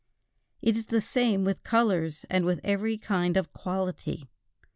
It is the same with colors and with every kind of quality.